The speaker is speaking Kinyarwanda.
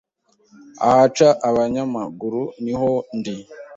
ahaca abanyamaguru niho ndi